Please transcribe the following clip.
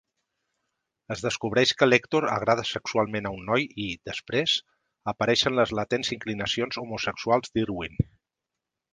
Es descobreix que l'Héctor agrada sexualment a un noi i, després, apareixen les latents inclinacions homosexuals d'Irwin.